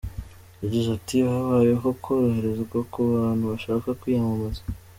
Yagize ati “Habayeho koroherezwa ku bantu bashaka kwiyamamaza.